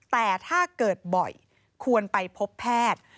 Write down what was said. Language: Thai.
แต่ถ้าเกิดบ่อยควรไปพบแพทย์